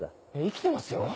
生きてますよ。